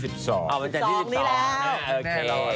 อ้าววันจันทร์ที่๑๒นี้แล้ว